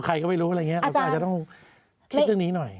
ใครก็ไม่รู้อะไรอย่างนี้เราก็อาจจะต้องคิดเรื่องนี้หน่อย